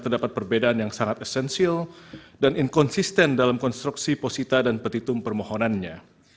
terdapat perbedaan yang sangat esensial dan inkonsisten dalam konstruksi posita dan petitum permohonannya